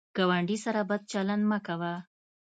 ګاونډي سره بد چلند مه کوه